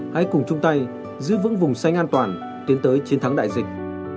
hãy cùng chung tay giữ vững vùng xanh an toàn tiến tới chiến thắng đại dịch